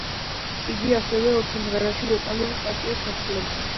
იგი ასევე ორ სიმღერაში ვოკალურ პარტიებს ასრულებდა.